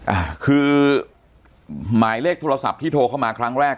อ่าคือหมายเลขโทรศัพท์ที่โทรเข้ามาครั้งแรก